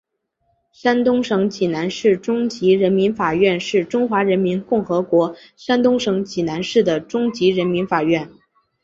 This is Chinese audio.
山东省济南市中级人民法院是中华人民共和国山东省济南市的中级人民法院。